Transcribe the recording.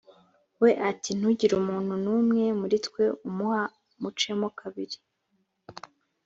we ati ntugire umuntu n umwe muri twe umuha mucemo kabiri